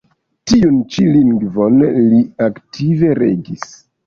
Tiun ĉi lingvon li aktive regis.